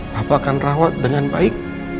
papa akan rawat dengan baik